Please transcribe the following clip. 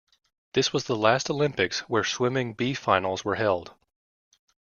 This was the last Olympics where swimming B-finals were held.